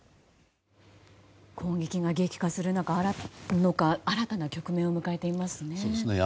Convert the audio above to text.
攻撃が激化する中新たな局面を迎えていますね。